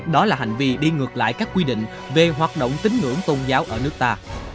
đó là hành vi đi ngược lại các quy định về hoạt động tính ngưỡng tôn giáo ở nước ta